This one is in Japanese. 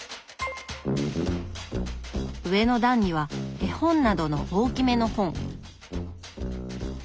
上の段には絵本などの大きめの本。